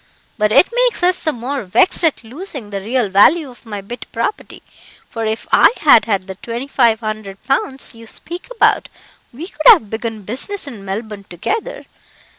But it makes us the more vexed at losing the real value of my bit property, for if I had had the twenty five hundred pounds you speak about we could have begun business in Melbourne together.